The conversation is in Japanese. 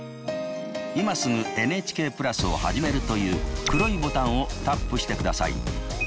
「今すぐＮＨＫプラスをはじめる」という黒いボタンをタップしてください。